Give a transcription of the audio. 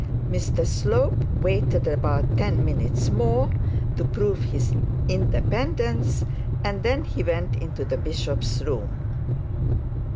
Mr Slope waited about ten minutes more to prove his independence, and then went into the bishop's room.